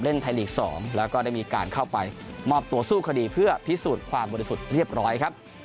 ไทยลีก๒แล้วก็ได้มีการเข้าไปมอบตัวสู้คดีเพื่อพิสูจน์ความบริสุทธิ์เรียบร้อยครับ